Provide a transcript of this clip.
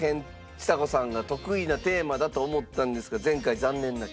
ちさ子さんが得意なテーマだと思ったんですが前回残念な結果に。